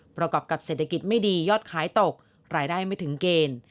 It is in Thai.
ประกอบกับเศรษฐกิจไม่ดียอดขายตกรายได้ไม่ถึงเกณฑ์